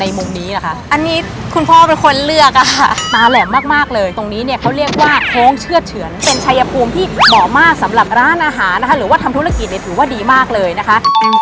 หลักหน้าที่เป็นธุรกรของแม่จิวเนี่ยค่ะ